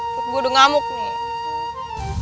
gue udah ngamuk nih